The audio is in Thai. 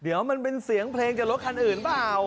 เดี๋ยวมันเป็นเสียงเพลงจากรถคันอื่นเปล่า